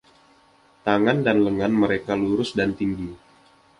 Tangan dan lengan mereka lurus dan tinggi.